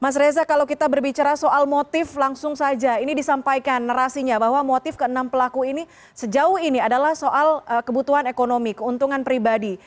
mas reza kalau kita berbicara soal motif langsung saja ini disampaikan narasinya bahwa motif ke enam pelaku ini sejauh ini adalah soal kebutuhan ekonomi keuntungan pribadi